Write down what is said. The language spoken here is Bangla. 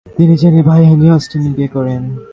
তিনি জেনের ভাই হেনরি অস্টেনকে বিয়ে করেন।